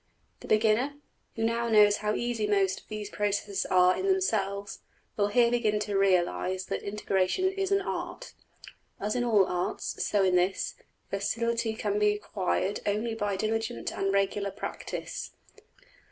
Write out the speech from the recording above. The beginner, who now knows how easy most of those processes are in themselves, will here begin to realize that integration is \emph{an art}. As in all arts, so in this, facility can be acquired only by diligent and regular practice.